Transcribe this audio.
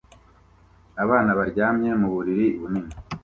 Abana baryamye mu buriri bunini